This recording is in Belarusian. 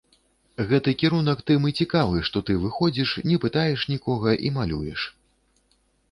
Гэты кірунак тым і цікавы, што ты выходзіш, не пытаеш нікога, і малюеш.